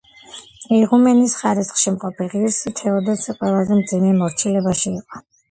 იღუმენის ხარისხში მყოფი ღირსი თეოდოსი ყველაზე მძიმე მორჩილებაში იყო.